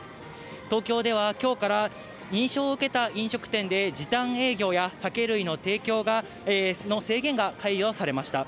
東京ではきょうから、認証を受けた飲食店で時短営業や酒類の提供の制限が解除されました。